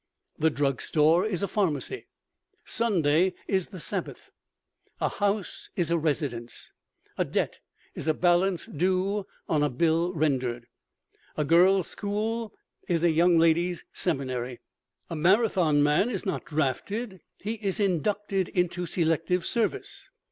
The drug store is a "pharmacy," Sunday is "the Sabbath," a house is a "residence," a debt is a "balance due on bill rendered." A girls' school is a "young ladies' seminary," A Marathon man is not drafted, he is "inducted into selective service."